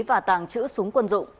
và tàng trữ súng quân dụng